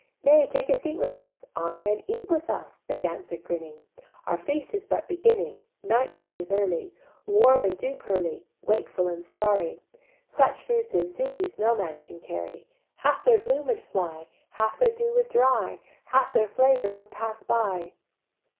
"Nay, take a seat with us, Honour and eat with us," They answer'd grinning: "Our feast is but beginning. Night yet is early, Warm and dew pearly, Wakeful and starry: Such fruits as these No man can carry: Half their bloom would fly, Half their dew would dry, Half their flavour would pass by.